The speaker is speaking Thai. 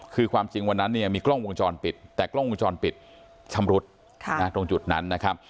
คือความจริงวันนั้นเนี่ยมีกล้องวงจรปิดแต่กล้องวงจรปิดชำรุดตรงจุดนั้นนะครับ